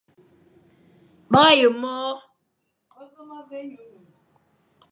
Bara ye môr.